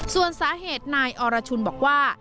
ส่วนสาเหตุนายอรชุนบอกว่า